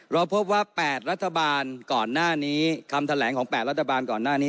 เราพบว่า๘รัฐบาลก่อนหน้านี้คำแถลงของ๘รัฐบาลก่อนหน้านี้